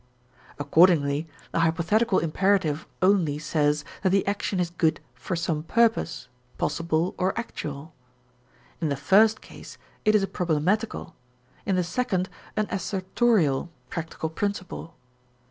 Accordingly the hypothetical imperative only says that the action is good for some purpose, possible or actual. In the first case it is a problematical, in the second an assertorial practical principle.